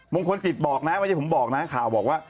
มงคลกิจบอกนะไม่ใช่ผมบอกนะข่าวบอกว่า